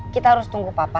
kita harus tunggu papa